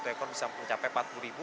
satu ekor bisa mencapai empat puluh ribu